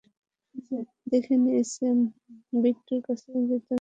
দেখে নিস, বিট্টুর কাছে যেনো অস্ত্র না থাকে।